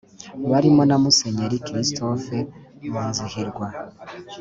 barimo na musenyeri christophe munzihirwa,